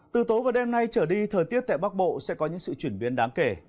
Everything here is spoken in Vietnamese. từ tối và đêm nay trở đi thời tiết tại bắc bộ sẽ có những sự chuyển biến đáng kể